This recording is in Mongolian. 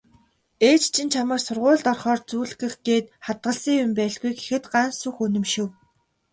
"Ээж чинь чамайг сургуульд орохоор зүүлгэх гээд хадгалсан юм байлгүй" гэхэд Гансүх үнэмшив.